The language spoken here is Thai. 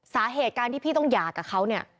สาเหตุการที่พี่ต้องหย่ากับเขาเนี่ย